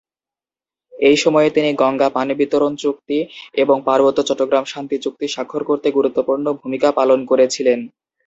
এই সময়ে তিনি গঙ্গা পানি বিতরণ চুক্তি এবং পার্বত্য চট্টগ্রাম শান্তি চুক্তি স্বাক্ষর করতে গুরুত্বপূর্ণ ভূমিকা পালন করেছিলেন।